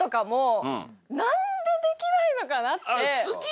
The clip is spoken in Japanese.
何でできないのかなって。